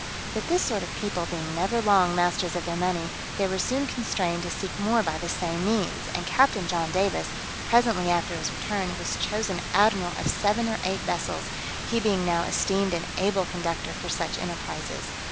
But this sort of people being never long masters of their money, they were soon constrained to seek more by the same means; and Captain John Davis, presently after his return, was chosen admiral of seven or eight vessels, he being now esteemed an able conductor for such enterprises.